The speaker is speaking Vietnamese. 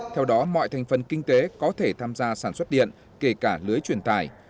theo đó mọi thành phần kinh tế có thể tham gia sản xuất điện kể cả lưới truyền tài